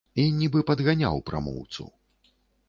І нібы падганяў прамоўцу.